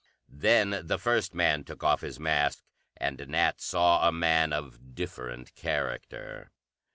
Then the first man took off his mask and Nat saw a man of different character.